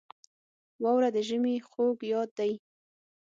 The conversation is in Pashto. • واوره د ژمي خوږ یاد دی.